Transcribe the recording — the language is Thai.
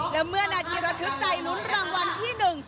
และเมื่อนาทีระทึกใจลุ้นรางวัลที่หนึ่ง